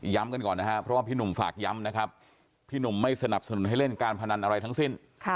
กันก่อนนะครับเพราะว่าพี่หนุ่มฝากย้ำนะครับพี่หนุ่มไม่สนับสนุนให้เล่นการพนันอะไรทั้งสิ้น